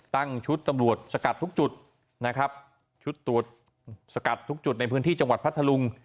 ตั้งชุดตำรวจสกัดทุกจุดนะครับชุดตรวจสกัดทุกจุดในพื้นที่จังหวัดพัทธลุง